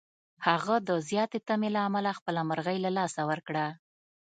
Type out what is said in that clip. هغه د زیاتې تمې له امله خپله مرغۍ له لاسه ورکړه.